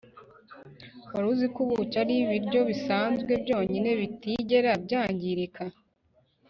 wari uziko ubuki ari ibiryo bisanzwe byonyine bitigera byangirika